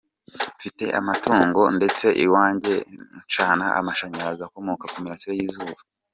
Mfite amatungo ndetse iwanjye ncana amashanyarazi akomoka ku mirasire y’izuba.